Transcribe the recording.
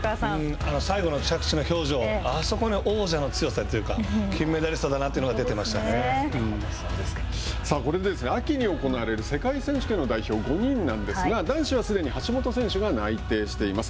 最後の着地の表情、あそこに王者の強さというか金メダリストだなというのが、これで秋に行われる世界選手権の代表５人なんですが、男子はすでに橋本選手が内定しています。